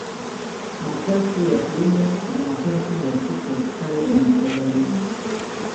Matatu ya kiume na matatu ya kike pale unapozaliwa